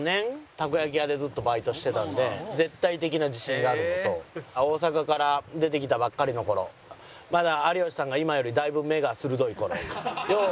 たこ焼き屋でずっとバイトしてたので絶対的な自信があるのと大阪から出てきたばっかりの頃まだ有吉さんが今よりだいぶ目が鋭い頃よう